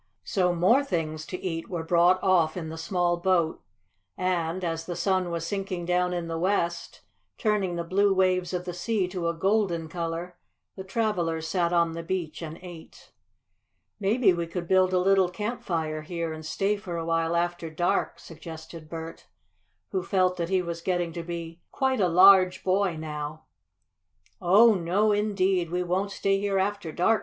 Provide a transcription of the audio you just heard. So more things to eat were brought off in the small boat, and, as the sun was sinking down in the west, turning the blue waves of the sea to a golden color, the travelers sat on the beach and ate. "Maybe we could build a little campfire here and stay for a while after dark," suggested Bert, who felt that he was getting to be quite a large boy now. "Oh, no indeed! We won't stay here after dark!"